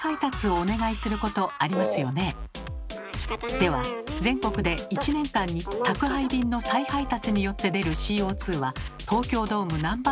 では全国で１年間に宅配便の再配達によって出るＣＯは東京ドーム何杯分かご存じですか？